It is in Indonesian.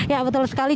ya betul sekali